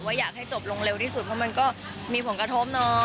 อยากให้จบลงเร็วที่สุดเพราะมันก็มีผลกระทบเนาะ